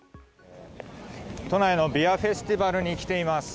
都内のビアフェスティバルに来ています。